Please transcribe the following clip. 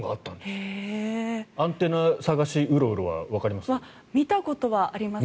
アンテナ探しうろうろはわかります？